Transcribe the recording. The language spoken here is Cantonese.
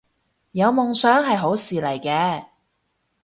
有夢想係好事嚟嘅